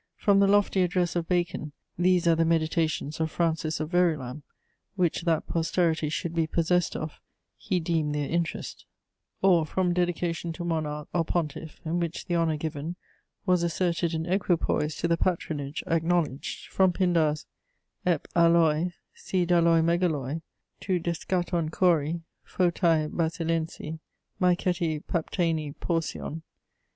From the lofty address of Bacon: "these are the meditations of Francis of Verulam, which that posterity should be possessed of, he deemed their interest:" or from dedication to Monarch or Pontiff, in which the honour given was asserted in equipoise to the patronage acknowledged: from Pindar's 'ep' alloi si d'alloi megaloi: to d'eschaton kory phoutai basilensi. Maeketi paptaine porsion.